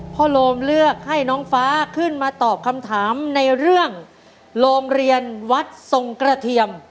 โลมเลือกให้น้องฟ้าขึ้นมาตอบคำถามในเรื่องโรงเรียนวัดทรงกระเทียม